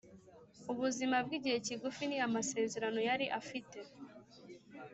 Ubuzima bw’igihe kigufi ni amasezerano yari afite